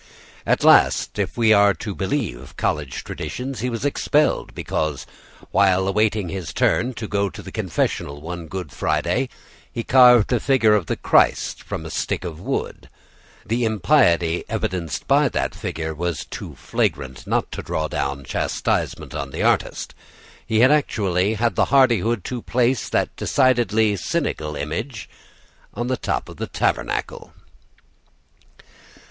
At last, if we are to believe college traditions, he was expelled because, while awaiting his turn to go to the confessional one Good Friday, he carved a figure of the Christ from a stick of wood. The impiety evidenced by that figure was too flagrant not to draw down chastisement on the artist. He had actually had the hardihood to place that decidedly cynical image on the top of the tabernacle!